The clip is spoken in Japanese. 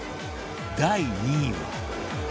第２位は